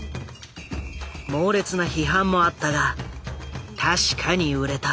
猛烈な批判もあったが確かに売れた。